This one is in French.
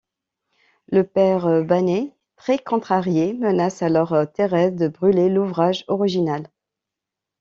Le père Báñez, très contrarié, menace alors Thérèse de brûler l'ouvrage original.